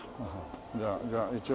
じゃあじゃあ一応。